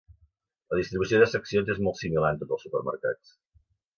La distribució de seccions és molt similar en tots els supermercats.